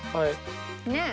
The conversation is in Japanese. ねえ。